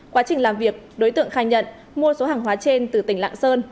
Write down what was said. quá trình làm việc đối tượng khai nhận mua số hàng hóa trên từ tỉnh lạng sơn